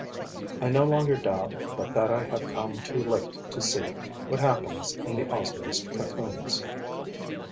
I no longer doubt but that I have come too late to see what happens in the Osmia's cocoons.